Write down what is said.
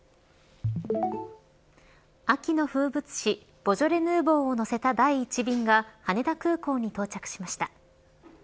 秋の風物詩ボジョレ・ヌーボーを乗せた第１便が羽田空港に到着しました。